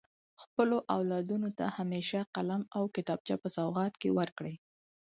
خپلو اولادونو ته همیشه قلم او کتابچه په سوغات کي ورکړئ.